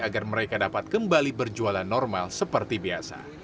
agar mereka dapat kembali berjualan normal seperti biasa